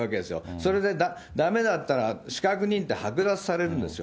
それでだめだったら、資格認定剥奪されるんですよ。